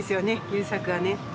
優作がね。